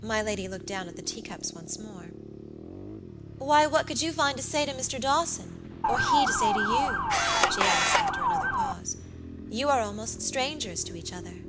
My lady looked down at the teacups once more. "Why, what could you find to say to Mr. Dawson, or he to say to you?" she asked, after another pause. "You are almost strangers to each other."